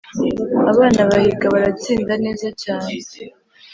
abana bahiga baratsinda neza cyane.